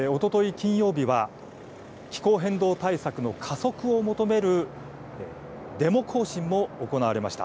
金曜日は気候変動対策の加速を求めるデモ行進も行われました。